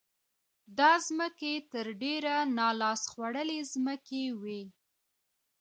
دا ځمکې تر ډېره نا لاس خوړلې ځمکې وې.